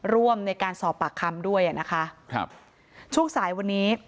ร่วมในการสอบปากคำด้วยอ่ะนะคะครับช่วงสายวันนี้